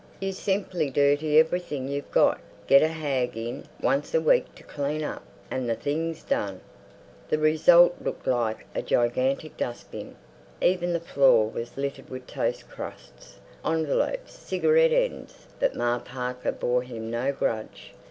"You simply dirty everything you've got, get a hag in once a week to clean up, and the thing's done." The result looked like a gigantic dustbin. Even the floor was littered with toast crusts, envelopes, cigarette ends. But Ma Parker bore him no grudge.